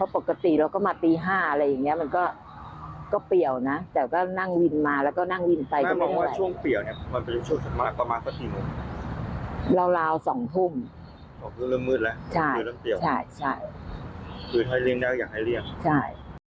ปกติเราก็มาตี๕อะไรเงี้ยมันก็เปรี้ยวนะแต่ก็นั่งวินมาแล้วก็นั่งวินไปก็เป็นไง